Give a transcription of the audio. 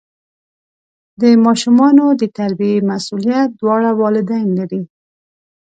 د ماشومانو د تربیې مسؤلیت دواړه والدین لري.